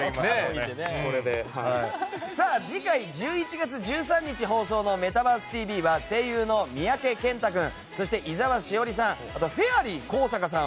次回、１１月１３日放送の「メタバースＴＶ！！」は声優の三宅健太君井澤詩織さんそして井澤詩織さん